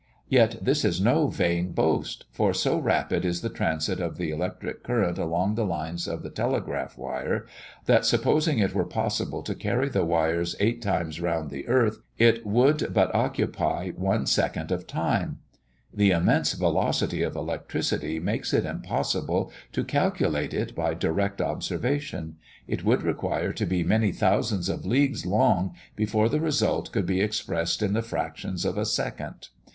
Yet this is no vain boast; for so rapid is the transit of the electric current along the lines of the telegraph wire, that, supposing it were possible to carry the wires eight times round the earth, it would but occupy one second of time. The immense velocity of electricity makes it impossible to calculate it by direct observation; it would require to be many thousands of leagues long before the result could be expressed in the fractions of a second.